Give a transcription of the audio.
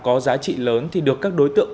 có giá trị lớn thì được các đối tượng